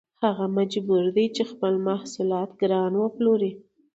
هغه مجبور دی چې خپل محصولات ګران وپلوري